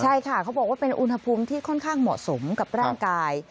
ใช่ค่ะเขาบอกว่าเป็นอุณหภูมิที่ค่อนข้างเหมาะสมกับร่างกาย